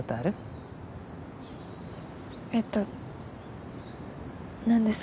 えっと何ですか？